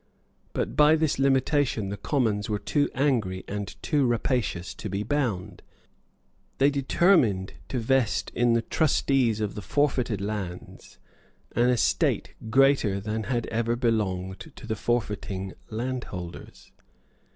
But by this limitation the Commons were too angry and too rapacious to be bound. They determined to vest in the trustees of the forfeited lands an estate greater than had ever belonged to the forfeiting landholders.